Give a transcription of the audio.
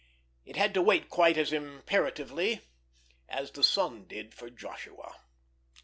It had to wait quite as imperatively as the sun did for Joshua.